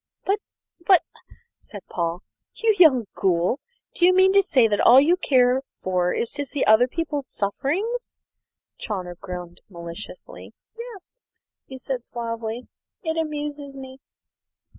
"But but," said Paul, "you young ghoul, do you mean to say that all you care for is to see other people's sufferings?" Chawner grinned maliciously. "Yes," he said suavely; "it amuses me."